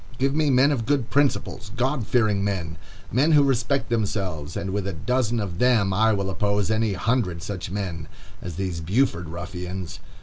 Give me men of good principles,—God fearing men,—men who respect themselves, and with a dozen of them I will oppose any hundred such men as these Buford ruffians.